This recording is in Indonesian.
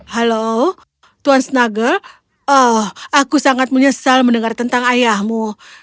halo tuan snuggle aku sangat menyesal mendengar tentang ayahmu